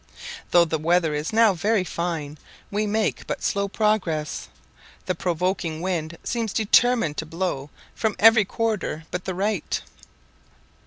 Though the weather is now very fine, we make but slow progress; the provoking wind seems determined to blow from every quarter but the right.